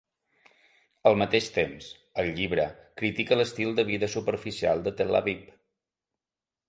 Al mateix temps, el llibre critica l'estil de vida superficial de Tel Aviv.